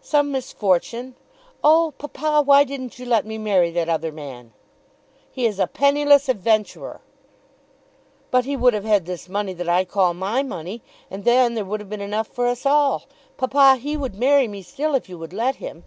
"Some misfortune! Oh, papa, why didn't you let me marry that other man?" "He is a penniless adventurer." "But he would have had this money that I call my money, and then there would have been enough for us all. Papa, he would marry me still if you would let him."